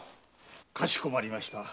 かしこまりました。